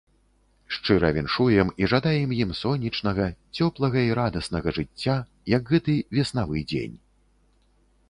Шчыра віншуем і жадаем ім сонечнага, цёплага і радаснага жыцця, як гэты веснавы дзень.